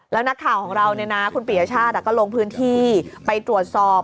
แล้วนักข่าวของเราคุณปียชาติก็ลงพื้นที่ไปตรวจสอบ